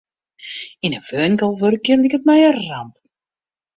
Yn in winkel wurkje liket my in ramp.